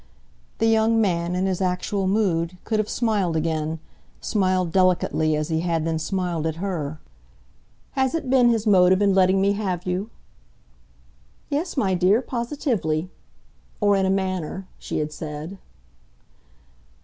The young man, in his actual mood, could have smiled again smiled delicately, as he had then smiled at her. "Has it been his motive in letting me have you?" "Yes, my dear, positively or in a manner," she had said.